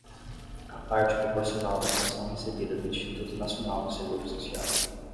A parte proporcional da pensão recebida do Instituto Nacional do Seguro Social.